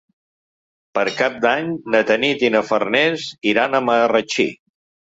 Per Cap d'Any na Tanit i na Farners iran a Marratxí.